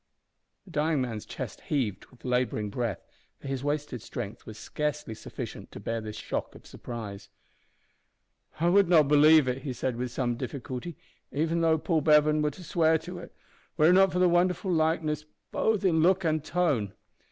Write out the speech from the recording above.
The dying man's chest heaved with labouring breath, for his wasted strength was scarcely sufficient to bear this shock of surprise. "I would not believe it," he said, with some difficulty, "even though Paul Bevan were to swear to it, were it not for the wonderful likeness both in look and tone."